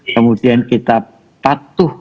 kemudian kita patuh